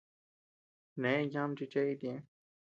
Nee yama chi chee iti ñëe.